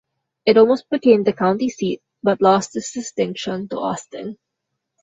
It almost became the county seat but lost this distinction to Austin.